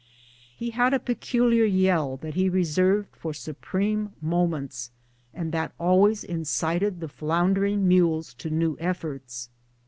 He had a peculiar yell that he reserved for supreme moments, and that always incited the floundering mules to new efforts.